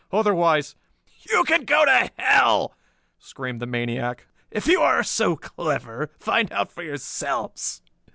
Otherwise...." "You can go to hell!" screamed the maniac. "If you are so clever, find out for yourselves.